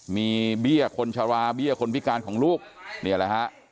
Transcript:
มีเบี้ยคนชะลาเบี้ยคนพิการของลูกนี่แหละฮะ